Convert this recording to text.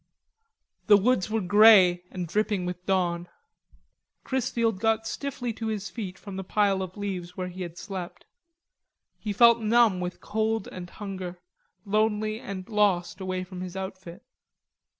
The woods were grey and dripping with dawn. Chrisfield got stiffly to his feet from the pile of leaves where he had slept. He felt numb with cold and hunger, lonely and lost away from his outfit.